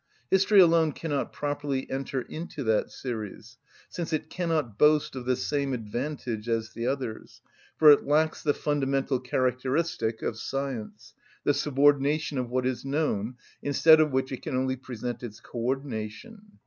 History alone cannot properly enter into that series, since it cannot boast of the same advantage as the others, for it lacks the fundamental characteristic of science, the subordination of what is known, instead of which it can only present its co‐ordination.